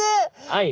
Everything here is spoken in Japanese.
はい。